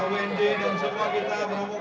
dari mas mawende dan semua kita beramokan